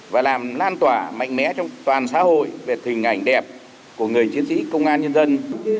và làm lan tỏa mạnh mẽ trong toàn xã hội về hình ảnh đẹp của người chiến sĩ công an nhân dân